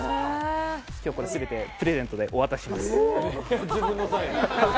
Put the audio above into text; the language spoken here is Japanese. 今日はこれ、全てプレゼントでお渡しします。